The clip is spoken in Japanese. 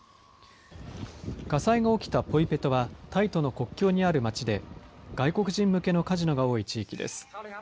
火災が起きたポイペトはタイとの国境にある町で外国人向けのカジノが多い地域です。